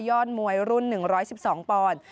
มวยรุ่น๑๑๒ปอนด์